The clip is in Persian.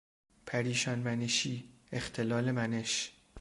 پریشان منشی، اختلال منش